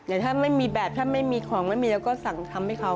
เดี๋ยวถ้าไม่มีแบบถ้าไม่มีของแล้วสั่งทำให้เขา